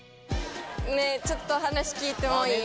ねぇちょっと話聞いてもいい？